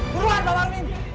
beruan pak parmin